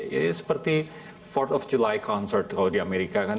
ya seperti empat th of july concert kalau di amerika kan